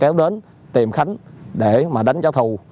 tuấn đến tìm khánh để mà đánh giáo thù